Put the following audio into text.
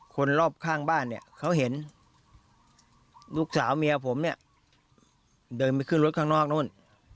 คนรอบข้างบ้านเนี่ยเขาเห็นลูกสาวเมียผมเนี่ยเดินไปขึ้นรถข้างนอกนู่น